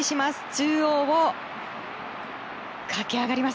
中央を駆け上がります。